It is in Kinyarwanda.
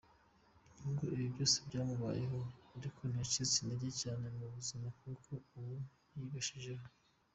N’ubwo ibi byose byamubayeho ariko, ntiyacitse intege cyane mu buzima kuko ubu yibeshejeho.